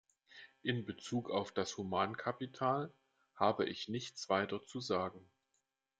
In Bezug auf das Humankapital habe ich nichts weiter zu sagen.